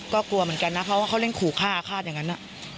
ก็กลัวเหมือนกันนะเขาเล่นขู่ฆ่าฆ่าอย่างนั้น